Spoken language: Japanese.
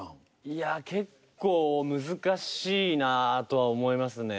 いや結構難しいなとは思いますね。